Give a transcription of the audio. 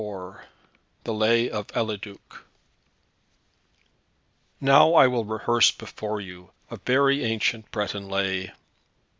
IV THE LAY OF ELIDUC Now will I rehearse before you a very ancient Breton Lay.